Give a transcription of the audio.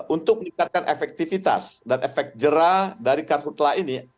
untuk meningkatkan efektivitas dan efek jerah dari karhutlah ini